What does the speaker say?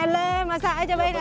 hele masa aja mainnya